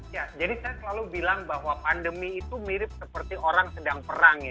ya jadi saya selalu bilang bahwa pandemi itu mirip seperti orang sedang perang ya